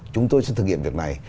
chúng tôi sẽ thực hiện việc này